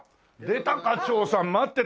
出たか長さん待ってたほい！